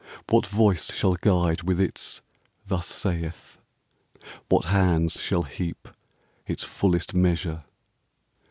What voice shall guide with its " Thus saith "? What hands shall heap its fullest measure